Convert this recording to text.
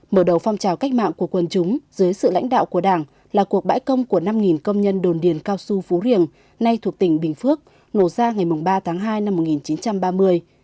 mở đầu phong trào cách mạng của quân chúng dưới sự lãnh đạo của đảng là cuộc bãi công của năm công nhân đồn điền cao su phú riềng nay thuộc tỉnh bình phước nổ ra ngày ba tháng hai năm một nghìn chín trăm ba mươi